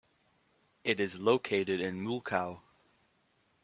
It is located in Mulkow.